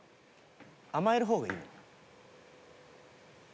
［甘える方がいいのよ］